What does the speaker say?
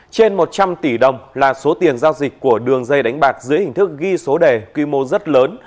trên một trăm linh tỷ đồng là số tiền giao dịch của đường dây đánh bạc dưới hình thức ghi số đề quy mô rất lớn